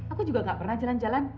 aku juga gak pernah jalan jalan